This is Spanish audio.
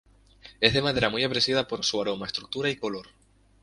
Es de madera muy apreciada por su aroma, estructura y color.